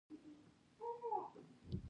د امیر شېر علي خان ورور او قاضي قادر ورسره وو.